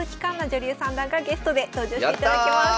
女流三段がゲストで登場していただきます。